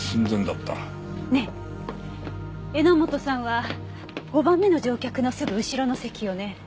ねえ榎本さんは５番目の乗客のすぐ後ろの席よね。